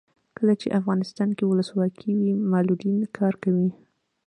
کله چې افغانستان کې ولسواکي وي معلولین کار کوي.